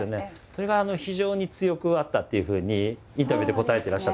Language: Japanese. それが非常に強くあったっていうふうにインタビューで答えてらっしゃったんですけど。